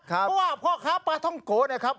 คือว่าพ่อข้าป่าทองโก้นะครับ